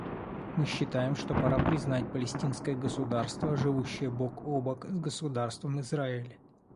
Мы считаем, что пора признать палестинское государство, живущее бок о бок с Государством Израиль.